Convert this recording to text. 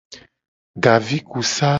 Gavikusa.